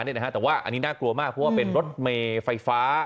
เนี้ยนะฮะแต่ว่าอันนี้น่ากลัวมากเพราะว่าเป็นรถเมฝัยฟ้า